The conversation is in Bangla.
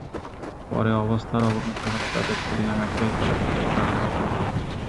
পরে অবস্থার অবনতি হলে তাদের খুলনা মেডিকেল কলেজ হাসপাতালে পাঠানো হয়।